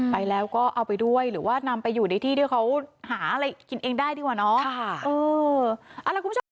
ไปแล้วก็เอาไปด้วยหรือว่านำไปอยู่ในที่ที่เขาหาอะไรกินเองได้ดีกว่าเนาะ